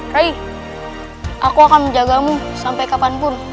roy aku akan menjagamu sampai kapanpun